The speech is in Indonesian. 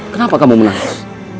kenapa kamu menangis